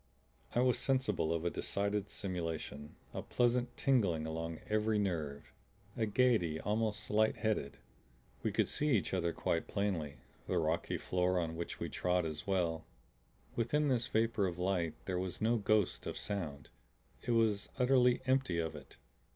I was sensible of a decided stimulation, a pleasant tingling along every nerve, a gaiety almost light headed. We could see each other quite plainly, the rocky floor on which we trod as well. Within this vapor of light there was no ghost of sound; it was utterly empty of it.